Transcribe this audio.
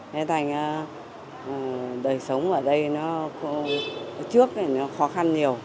thế thành đời sống ở đây nó trước thì nó khó khăn nhiều